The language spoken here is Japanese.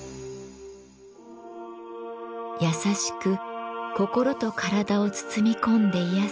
優しく心と体を包み込んで癒やす香り。